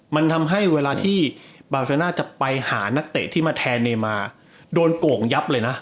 มันทำให้เวลาที่บาเซอร์น่าจะไปหานักเตะที่มาแทนเนมาโดนโก่งยับเลยนะ